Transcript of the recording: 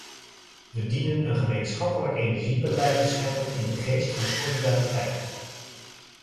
We dienen een gemeenschappelijk energiebeleid te scheppen in de geest van solidariteit.